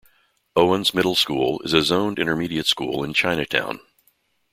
Owens Middle School is a zoned intermediate school in Chinatown.